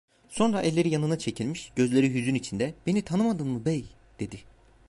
Sonra, elleri yanına çekilmiş, gözleri hüzün içinde: "Beni tanımadın mı bey?" dedi.